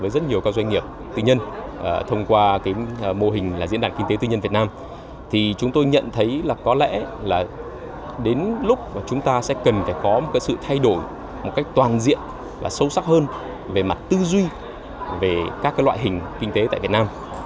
đến lúc chúng ta sẽ cần phải có một sự thay đổi một cách toàn diện và sâu sắc hơn về mặt tư duy về các loại hình kinh tế tại việt nam